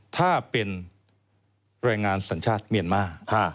ถ้าเป็นแรงงานสัญชาติเมียนมาร์